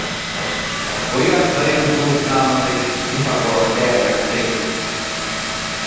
Bu ýagdaýyň subutnamasy Pifagory däliretdi.